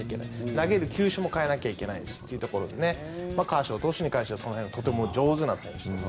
投げる球種も変えなきゃいけないしというところでカーショー投手に関してはその辺がとても上手な選手です。